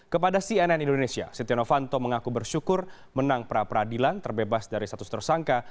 kepada cnn indonesia setia novanto mengaku bersyukur menang pra peradilan terbebas dari status tersangka